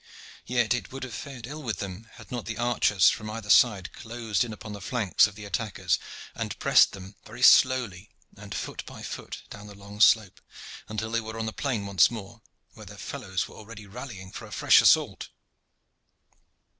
Yet it would have fared ill with them had not the archers from either side closed in upon the flanks of the attackers, and pressed them very slowly and foot by foot down the long slope, until they were on the plain once more, where their fellows were already rallying for a fresh assault.